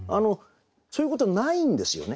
そういうことないんですよね。